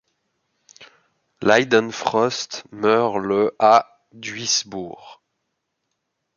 Leidenfrost meurt le à Duisbourg.